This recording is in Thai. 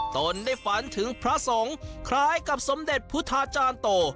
ตนได้ฝันถึงพระสงฆ์คล้ายกับสมเด็จพุทธาจารย์โต